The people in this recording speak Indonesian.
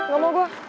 gak mau gue